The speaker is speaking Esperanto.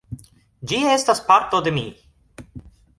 Ĝi estas parto de mi.